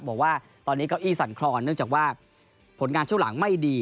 บอกว่าตอนนี้เก้าอี้สั่นครอนเนื่องจากว่าผลงานช่วงหลังไม่ดี